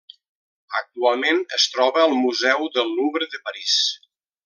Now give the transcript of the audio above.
Actualment es troba al Museu del Louvre de París.